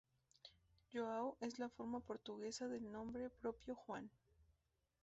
João es la forma portuguesa del nombre propio Juan.